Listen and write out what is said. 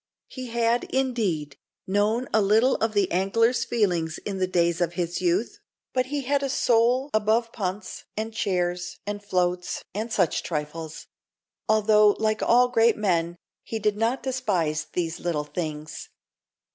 He had, indeed, known a little of the angler's feelings in the days of his youth, but he had a soul above punts, and chairs, and floats, and such trifles; although, like all great men, he did not despise little things.